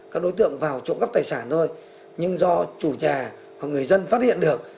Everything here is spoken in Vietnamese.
các đối tượng vào trộm cắp tài sản thôi nhưng do chủ nhà hoặc người dân phát hiện được